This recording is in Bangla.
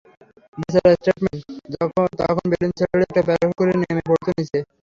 বেচারা স্টান্টম্যান তখন বেলুন ছেড়ে একটা প্যারাস্যুট খুলে নেমে পড়ত নিচে।